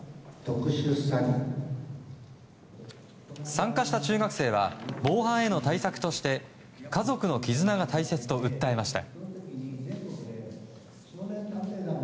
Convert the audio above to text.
参加した中学生は防犯への対策として家族の絆が大切と訴えました。